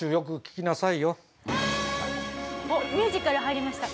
おっミュージカル入りました。